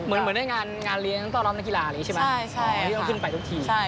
เหมือนในงานเลี้ยงต้อนรับนักกีฬาอะไรอย่างนี้ใช่ไหมที่ต้องขึ้นไปทุกทีม